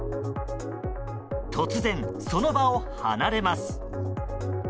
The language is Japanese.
突然、その場を離れます。